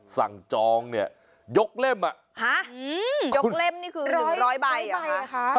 สั่งจองเนี่ยยกเล่มอ่ะฮะยกเล่มนี่คือหนึ่งร้อยใบอ่ะค่ะ